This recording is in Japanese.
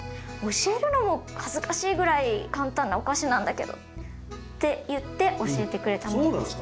教えるのも恥ずかしいぐらい簡単なお菓子なんだけど」って言って教えてくれたものです。